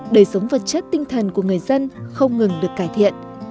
đời sống vật chất tinh thần của người dân không ngừng được cải thiện